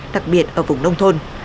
đặc biệt ở vùng nông thôn